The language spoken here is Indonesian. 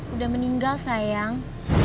udah meninggal sayang